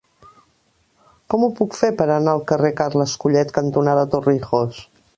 Com ho puc fer per anar al carrer Carles Collet cantonada Torrijos?